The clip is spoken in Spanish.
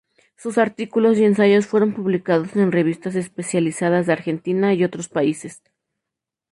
Sus artículos y ensayos fueron publicados en revistas especializadas de Argentina y otros países.